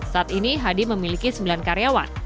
saat ini hadi memiliki sembilan karyawan